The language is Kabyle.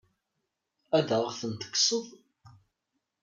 Ad aɣ-tent-tekkseḍ?